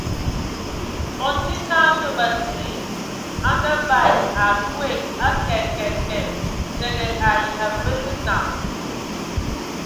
O ndzi naa ndɔ batsidi a ngavaɛ ai loe a kɛɛ kɛé kɛɛ, tǝgǝ ai avǝǝ lǝ nam.